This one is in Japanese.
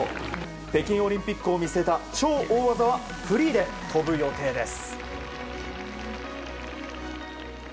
北京オリンピックを見据えた超大技はフリーで跳ぶ予定です。